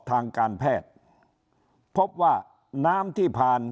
ทางการแพทย์พบว่าน้ำที่ผ่าน